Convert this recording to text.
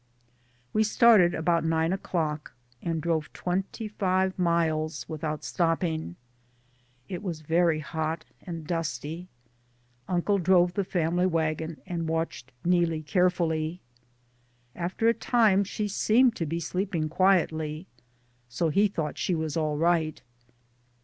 We started about nine o'clock, and drove twen ty five miles without stopping. It was very hot and dusty. Uncle drove the family wagon and watched Neelie carefully. After a time she seemed to be sleeping quietly, so he thought she was all right.